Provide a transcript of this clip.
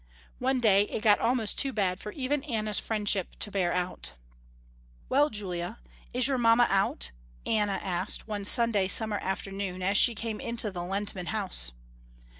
One day it got almost too bad for even Anna's friendship to bear out. "Well, Julia, is your mamma out?" Anna asked, one Sunday summer afternoon, as she came into the Lehntman house.